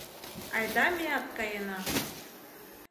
Айда меат каена